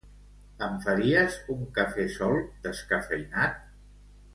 Em faries un cafè sol descafeïnat?